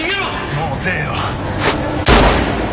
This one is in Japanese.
もう遅えよ。